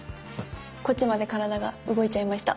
こっちまで体が動いちゃいました。